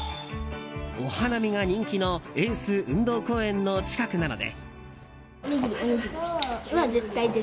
お花見が人気のエース運動公園の近くなので。